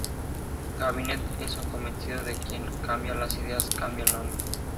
Ganivet es un convencido de que quien cambia a las ideas cambia al hombre.